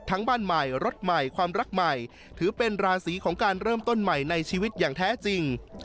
บ้านใหม่รถใหม่ความรักใหม่ถือเป็นราศีของการเริ่มต้นใหม่ในชีวิตอย่างแท้จริง